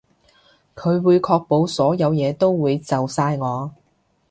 佢會確保所有嘢都會就晒我